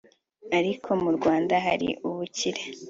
ariko mu Rwanda hari ubukire